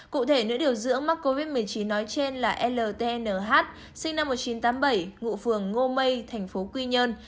cụ thể nữ điều dưỡng mắc covid một mươi chín nói trên là ltnh sinh năm một nghìn chín trăm tám mươi bảy ngụ phường ngô mây thành phố quy nhơn